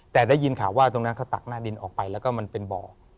แต่ได้ยินข่าวว่าตรงนั้นเขาตักหน้าดินออกไปแล้วก็มันเป็นบ่อ